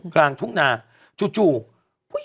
กลางทุ่งนาจู่